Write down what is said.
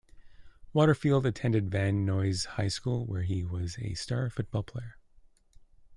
Waterfield attended Van Nuys High School where he was a star football player.